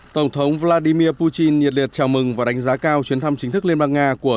tổng thống vladimir putin nhiệt liệt chào mừng và đánh giá cao chuyến thăm chính thức liên bang nga của